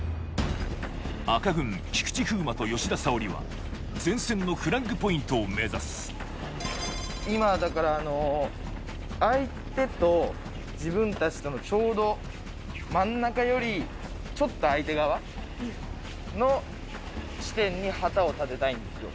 赤軍菊池風磨と吉田沙保里は前線のフラッグポイントを目指す今だからあの相手と自分たちとのちょうど真ん中よりちょっと相手側の地点に旗を立てたいんですよ。